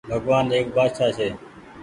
بگوآن ايڪ بآڇآ ڇي